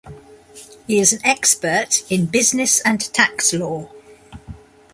He is an expert in business and tax law.